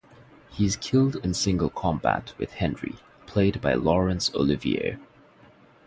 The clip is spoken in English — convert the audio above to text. He is killed in single combat with Henry, played by Laurence Olivier.